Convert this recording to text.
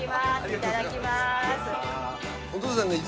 いただきます。